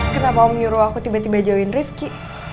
kenapa om nyuruh aku tiba tiba jauhin rifqi